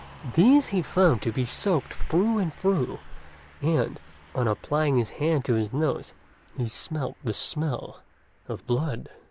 These he found to be soaked through and through, and, on applying his hand to his nose, he smelt the smell of blood.